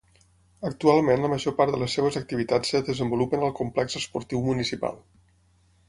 Actualment la major part de les seves activitats es desenvolupen al Complex Esportiu Municipal.